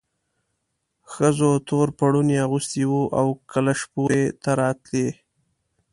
ښځو تور پوړوني اغوستي وو او کلشپورې ته راتلې.